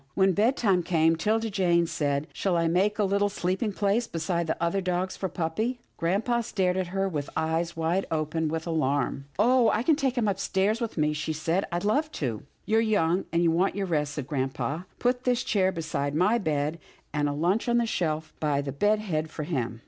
When bedtime came, 'Tilda Jane said, " Shall I make up a little sleeping place beside the other dogs for puppy? " Grampa stared at her with eyes wide open with alarm. " Or I can take him upstairs with me," she said, " I'd love to." " You're young, and want your rest," said grampa, " put his chair beside my bed, and a lunch on the shelf by the bed head for him.